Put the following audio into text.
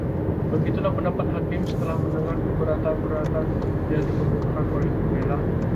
begitulah pendapat hakim setelah mendengar keberatan-keberatan yang dikemukakan oleh pembela